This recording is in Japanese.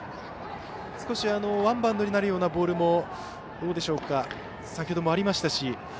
少しワンバウンドになるようなボールも先ほどもありましたし。